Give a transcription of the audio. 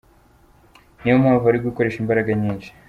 Niyo mpamvu bari gukoresha imbaraga nyinshi.